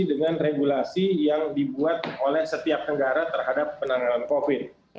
dengan regulasi yang dibuat oleh setiap negara terhadap penanganan covid